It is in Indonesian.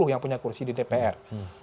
yang punya kursi di dpr